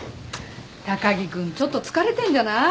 高木君ちょっと疲れてんじゃない？